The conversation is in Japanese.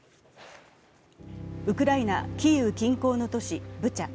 ウクライナ・キーウ近郊の都市ブチャ。